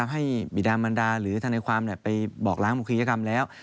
ให้บิดามันดาหรือทนายความไปบอกล้างบุคลิกรรมแล้ว